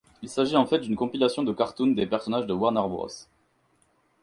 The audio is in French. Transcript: Il s'agit en fait d'une compilation de cartoons des personnages de Warner Bros.